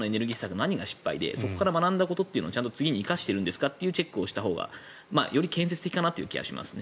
何が失敗でそこから学んだことを生かしているのかというチェックをしたほうがより建設的かなという気はしますね。